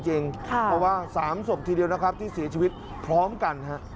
เพราะว่า๓ศพทีเดียวนะครับที่เสียชีวิตพร้อมกัน